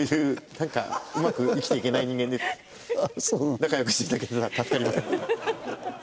仲良くしていただけたら助かります。